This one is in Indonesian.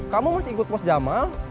kamu masih ikut pos jamal